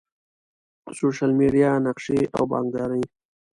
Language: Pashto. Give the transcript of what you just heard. سوشل میډیا، نقشي او بانکداری